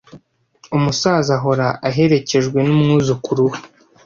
Umusaza ahora aherekejwe numwuzukuru we.